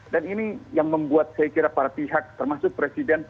dan ini yang membuat saya kira para pihak termasuk presiden